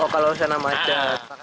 oh kalau sana macet